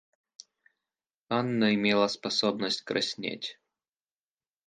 Анна имела способность краснеть.